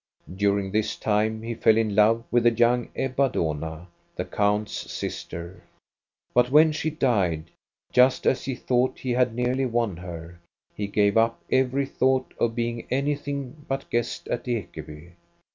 During this time he fell in love with the young Ebba Dohna, the count's sister ; but when she died, just as he thought he had nearly won her, he gave up every thought of being anything but guest at Ekeby.